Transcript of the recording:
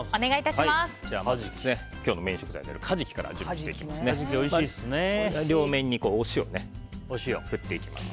まず、今日のメイン食材であるカジキから準備していきます。